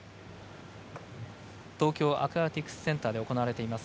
東京アクアティクスセンターで行われています